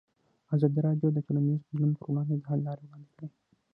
ازادي راډیو د ټولنیز بدلون پر وړاندې د حل لارې وړاندې کړي.